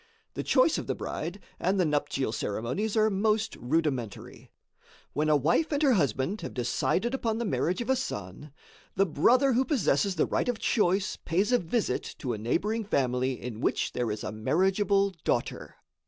The choice of the bride and the nuptial ceremonies are most rudimentary. When a wife and her husband have decided upon the marriage of a son, the brother who possesses the right of choice, pays a visit to a neighboring family in which there is a marriageable daughter.